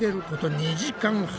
２時間半。